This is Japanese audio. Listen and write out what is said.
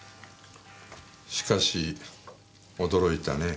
しかし驚いたね。